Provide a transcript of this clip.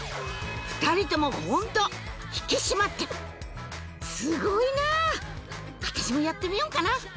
２人ともホント引き締まってるスゴいな私もやってみようかな